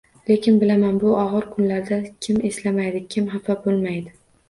Lekin bilaman, bu og'ir kunlarda kim eslamaydi, kim xafa bo'lmaydi